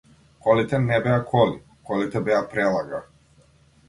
Колите не беа коли, колите беа прелага.